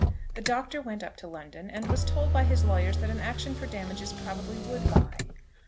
THE Doctor went up to London, and was told by his lawyers that an action for damages probably would lie.